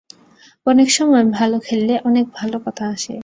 অনেক সময় ভালো খেললে অনেক ভালো কথা আসে।